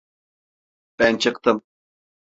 Ben çıktım.